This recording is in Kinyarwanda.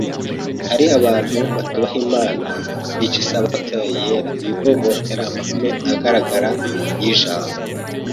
” Hariho abantu batubaha Imana, bica Isabato yayo yera, bivovotera amahame agaragara y’Ijambo